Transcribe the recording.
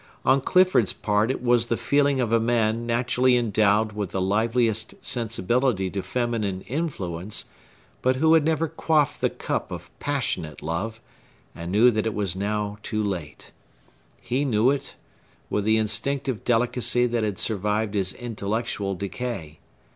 On Clifford's part it was the feeling of a man naturally endowed with the liveliest sensibility to feminine influence, but who had never quaffed the cup of passionate love, and knew that it was now too late. He knew it, with the instinctive delicacy that had survived his intellectual decay.